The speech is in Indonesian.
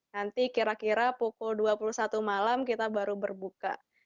nanti kira kira pukul dua puluh satu malam kita baru berbuka